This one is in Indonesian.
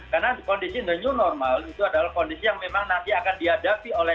karena kondisi the new normal itu adalah kondisi yang memang nanti akan dihadapi oleh